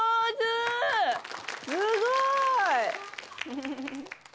すごい！